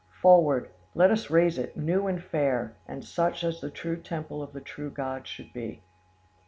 Forward! let us raise it, new and fair, and such as the true temple of the true God should be.